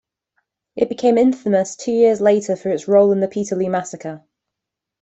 It became infamous two years later for its role in the Peterloo Massacre.